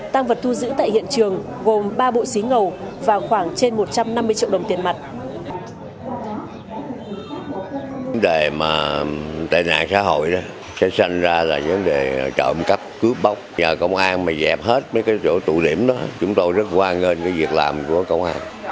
tăng vật thu giữ tại hiện trường gồm ba bộ xí ngầu và khoảng trên một trăm năm mươi triệu đồng tiền mặt